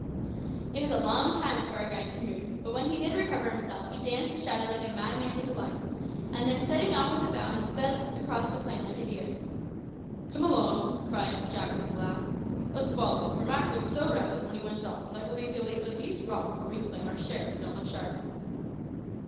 It was a long time before our guide could move, but when he did recover himself he danced and shouted like a madman with delight, and then, setting off with a bound, sped across the plain like a deer. "Come along," cried Jack with a laugh "let's follow; for Mak looked so rabid when he went off that I believe he'll eat the beast raw before we can claim our share, if we don't look sharp."